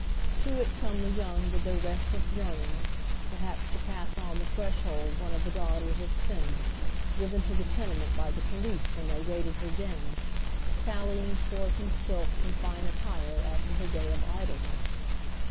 To it come the j'onng with their restless yearnings, perhaps to pass on the threshold one of the daughters of sin, driven to the tenement by the police when they raided her den, sallying forth" in silks and fine attire after her day of idleness.